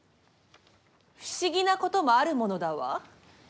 不思議なこともあるものだわ。